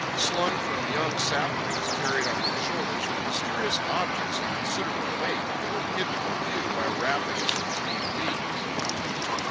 Slung from young saplings carried on their shoulders were mysterious objects of considerable weight, hidden from view by wrappings of green leaves.